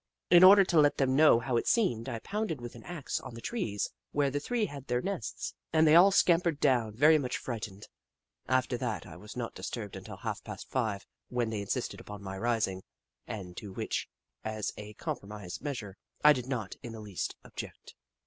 In order to let them know how it seemed, I pounded with an axe on the trees where the three had their nests, and they all scampered down, very much frightened. After that, I was not disturbed until half past five, when they insisted upon my rising, and to which, as a compromise measure, I did not in the least object.